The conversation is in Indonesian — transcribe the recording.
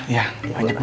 iya banyak bu